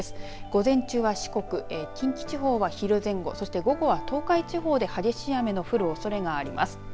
午前中は四国、近畿地方は昼前後、そして午後は東海地方で激しい雨の降るおそれがあります。